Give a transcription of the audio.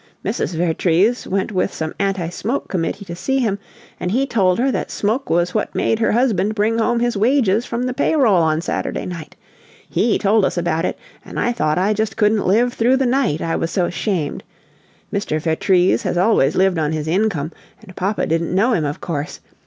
Mrs. Vertrees went with some anti smoke committee to see him, and he told her that smoke was what made her husband bring home his wages from the pay roll on Saturday night! HE told us about it, and I thought I just couldn't live through the night, I was so ashamed! Mr. Vertrees has always lived on his income, and papa didn't know him, of course.